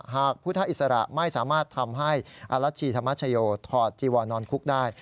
หากพุทธอิสระไม่สามารถทำให้อรัชชีธรรมชโยถอดจีวอนนอนคุกได้